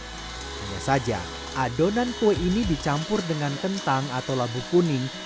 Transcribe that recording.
hanya saja adonan kue ini dicampur dengan kentang atau labu kuning